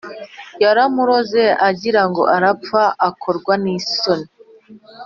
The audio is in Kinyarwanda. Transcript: Yaramuroze agirango arapfa akorwa nisoni